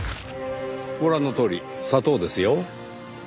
ご覧のとおり砂糖ですよ。